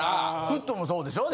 フットもそうでしょ？